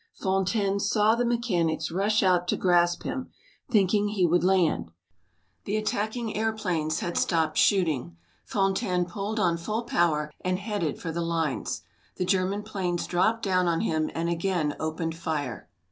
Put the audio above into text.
Fontaine saw the mechanics rush out to grasp him, thinking he would land. The attacking airplanes had stopped shooting. Fontaine pulled on full power and headed for the lines. The German planes dropped down on him and again opened fire.